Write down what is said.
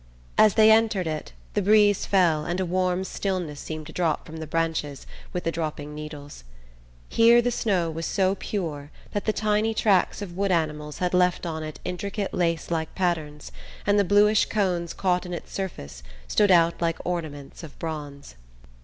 As they entered it the breeze fell and a warm stillness seemed to drop from the branches with the dropping needles. Here the snow was so pure that the tiny tracks of wood animals had left on it intricate lace like patterns, and the bluish cones caught in its surface stood out like ornaments of bronze.